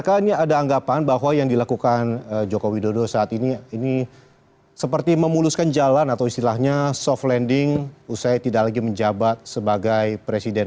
apakah ini ada anggapan bahwa yang dilakukan joko widodo saat ini seperti memuluskan jalan atau istilahnya soft landing usai tidak lagi menjabat sebagai presiden